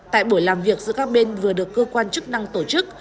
tại buổi làm việc giữa các bên vừa được cơ quan chức năng tổ chức